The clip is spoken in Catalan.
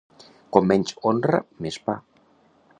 Com menys honra, més pa.